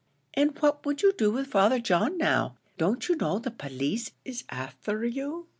"And what would you do with Father John, now? Don't you know the police is afther you?"